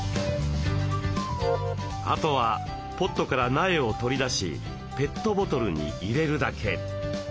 あとはポットから苗を取り出しペットボトルに入れるだけ。